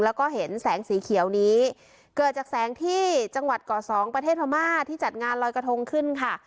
แล้วก็เห็นแสงสีเขียวนี้เกิดจากแสงที่จังหวัดก่อสองประเทศพม่าที่จัดงานลอยกระทงขึ้นค่ะ